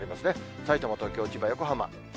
さいたま、東京、千葉、横浜。